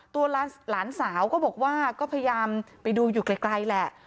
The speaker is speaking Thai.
ตัวหลานสาวก็บอกว่าก็พยายามไปดูอยู่ไกลแหละ